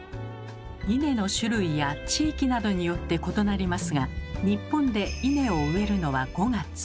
イネの種類や地域などによって異なりますが日本でイネを植えるのは５月。